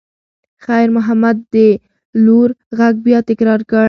خیر محمد د لور غږ بیا تکرار کړ.